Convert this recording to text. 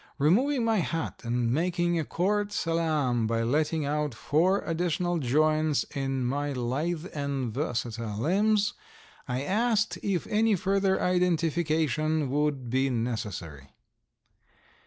Removing my hat and making a court salaam by letting out four additional joints in my lithe and versatile limbs, I asked if any further identification would be necessary.